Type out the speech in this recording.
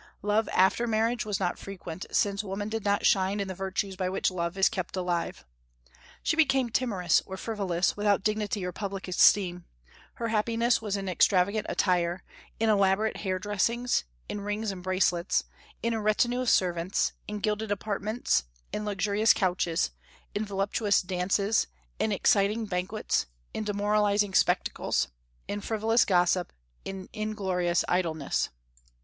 Love after marriage was not frequent, since woman did not shine in the virtues by which love is kept alive. She became timorous or frivolous, without dignity or public esteem; her happiness was in extravagant attire, in elaborate hair dressings, in rings and bracelets, in a retinue of servants, in gilded apartments, in luxurious couches, in voluptuous dances, in exciting banquets, in demoralizing spectacles, in frivolous gossip, in inglorious idleness.